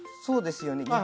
そうですね